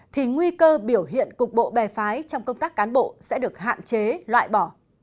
thì nguy cơ biểu hiện cục bộ bè phái trong công tác cán bộ sẽ được hạn chế loại bỏ